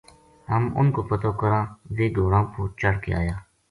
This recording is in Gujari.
ہم اُنھ کو پتو کراں ویہ گھوڑاں پو چڑھ کے آیا